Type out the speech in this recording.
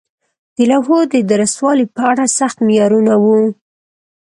د لوحو د درستوالي په اړه سخت معیارونه وو.